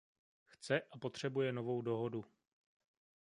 Chce a potřebuje novou dohodu.